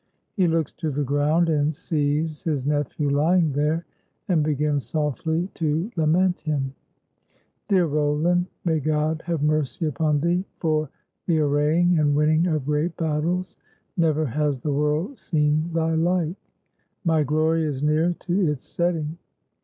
He looks to the ground and sees his nephew lying there, and begins softly to lament him : "Dear Roland, may God have mercy upon thee! For the arraying and winning of great battles, never has the world seen thy like. My glory is near to its setting."